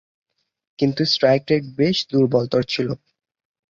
কিন্তু strike rate বেশ দূর্বলতর ছিল।